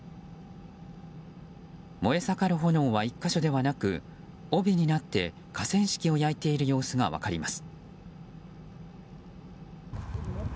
燃え盛る炎は１か所ではなく帯になって河川敷を焼いている様子が分かります。